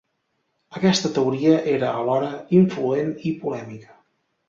Aquesta teoria era alhora influent i polèmica.